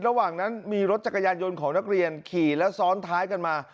ระหว่างนั้นมีรถจักรยานยนต์ของนักเรียนขี่และซ้อนท้ายกันมา